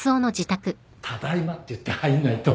「ただいま」って言って入んないと。